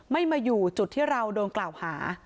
ไม่มาอยู่จุดที่เราโดนกล่าวหา